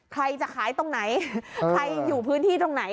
ใครจะขายตรงไหนใครอยู่พื้นที่ตรงไหน